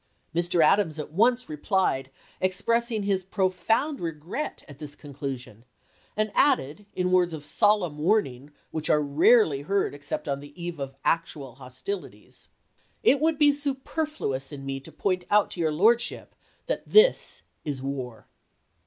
Mr. Adams at once replied, expressing his profound 8ept.i,i863. regret at this conclusion, and added in words of sol emn warning which are rarely heard except on the eve of actual hostilities, " It would be superfluous sept. 5. in me to point out to your Lordship that this is war."